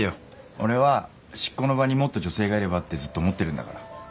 俺は執行の場にもっと女性がいればってずっと思ってるんだから。